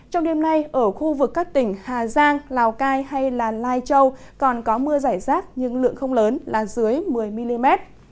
trong đêm nay ở khu vực các tỉnh hà giang lào cai hay lai châu còn có mưa rải rác nhưng lượng không lớn là dưới một mươi mm